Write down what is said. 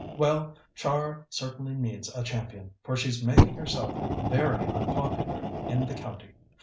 "Well, Char certainly needs a champion, for she's making herself very unpopular in the county.